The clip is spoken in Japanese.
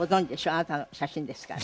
あなたの写真ですから。